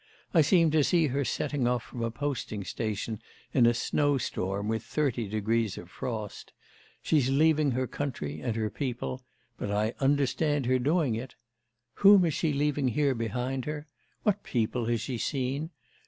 I seem to see her setting off from a posting station in a snow storm with thirty degrees of frost. She's leaving her country, and her people; but I understand her doing it. Whom is she leaving here behind her? What people has she seen?